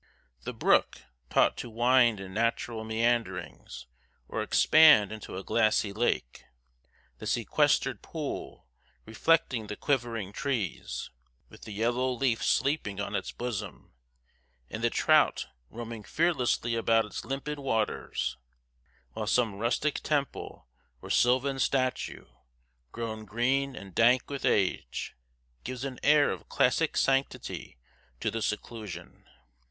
The brook, taught to wind in natural meanderings, or expand into a glassy lake the sequestered pool, reflecting the quivering trees, with the yellow leaf sleeping on its bosom, and the trout roaming fearlessly about its limpid waters; while some rustic temple, or sylvan statue, grown green and dank with age, gives an air of classic sanctity to the seclusion.